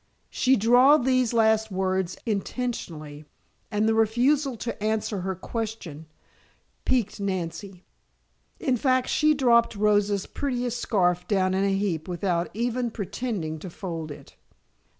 She drawled these last words intentionally and the refusal to answer her question piqued Nancy. In fact, she dropped Rosa's prettiest scarf down in a heap without even pretending to fold it.